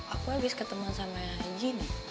aku habis ketemuan sama gini